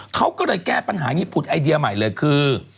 เขาก็เลยแก้ปัญหาอย่างนี้ผุดไอเดียใหม่เลยคือ